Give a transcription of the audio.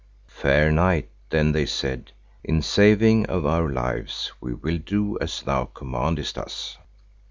Fair knight, then they said, in saving of our lives we will do as thou commandest us.